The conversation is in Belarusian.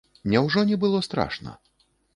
Няўжо не было страшна?